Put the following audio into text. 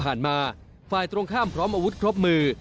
มาฝ่ายตรงข้ามพร้อมอาวุธครบมือ